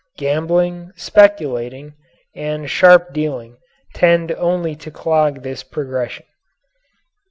Gambling, speculating, and sharp dealing, tend only to clog this progression.